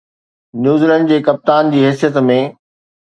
New Zealand جي ڪپتان جي حيثيت ۾